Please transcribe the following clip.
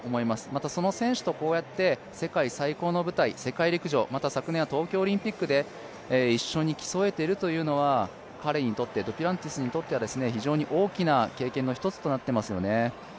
またその選手と世界最高の舞台、世界陸上また昨年は東京オリンピックで一緒に競えているというのは彼にとって、デュプランティスにとっては非常に大きな経験の一つとなってますよね。